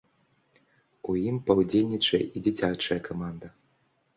У ім паўдзельнічае і дзіцячая каманда.